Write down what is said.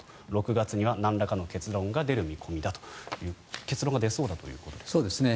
６月にはなんらかの結論が出る見込みだと結論が出そうだということですか？